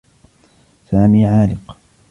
سامي عالق.